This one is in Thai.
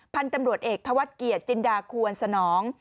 พันธุ์ตำรวจเอกธวัฒน์เกียรติจินดาควรสนอง